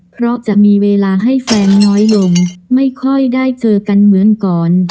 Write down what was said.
เพราะจะมีเวลาให้แฟนน้อยลงไม่ค่อยได้เจอกันเหมือนก่อน